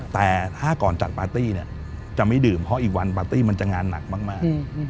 แต่ถ้าก่อนจัดปาร์ตี้เนี่ยจะไม่ดื่มเพราะอีกวันปาร์ตี้มันจะงานหนักมาก